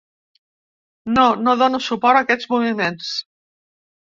No, no dono suport a aquests moviments.